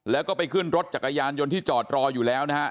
แล้วก็ไปขึ้นรถจักรยานยนต์ที่จอดรออยู่แล้วนะฮะ